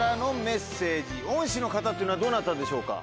恩師の方っていうのはどなたでしょうか？